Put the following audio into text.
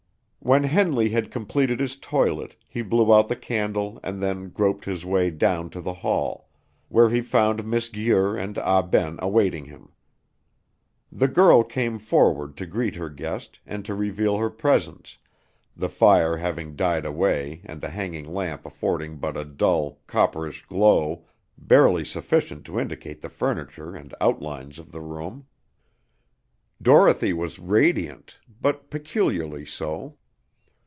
When Henley had completed his toilet, he blew out the candle and then groped his way down to the hall, where he found Miss Guir and Ah Ben awaiting him. The girl came forward to greet her guest, and to reveal her presence, the fire having died away and the hanging lamp affording but a dull, copperish glow, barely sufficient to indicate the furniture and outlines of the room. Dorothy was radiant, but peculiarly so.